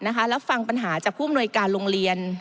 แล้วฟังปัญหาจากผู้อำนวยการโรงเรียน